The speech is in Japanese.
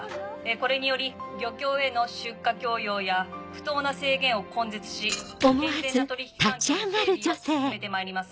これにより漁協への出荷強要や不当な制限を根絶し健全な取引環境の整備を進めてまいります。